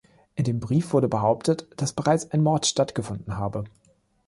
In dem Brief wurde behauptet, dass bereits ein Mord stattgefunden habe.